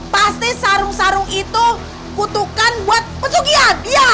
pasti sarung sarung itu kutukan buat pesugihan iya